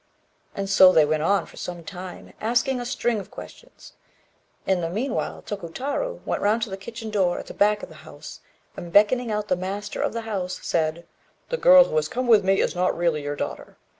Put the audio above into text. And so they went on, for some time, asking a string of questions. In the meanwhile, Tokutarô went round to the kitchen door, at the back of the house, and, beckoning out the master of the house, said "The girl who has come with me is not really your daughter.